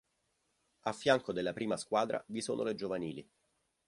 Al fianco della prima squadra vi sono le giovanili.